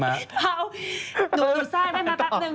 เฮ้าหนูอยู่ซ่ายได้ไหมปักหนึ่ง